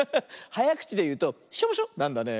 はやくちでいうと「しょぼしょ」なんだね。